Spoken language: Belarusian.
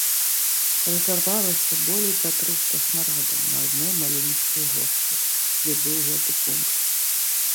Разарвалася болей за трыста снарадаў на адной маленечкай горцы, дзе быў гэты пункт.